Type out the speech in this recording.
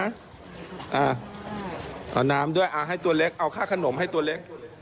เอาน้ำด้วยอ่าให้ตัวเล็กเอาค่าขนมให้ตัวเล็ก